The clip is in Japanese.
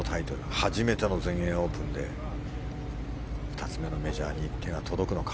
初めての全英オープンで２つ目のメジャーに手が届くのか。